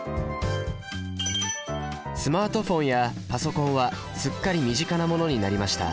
スマートフォンやパソコンはすっかり身近なものになりました。